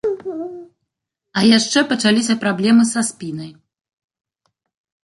А яшчэ пачаліся праблемы са спінай.